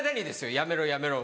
「やめろやめろ」は。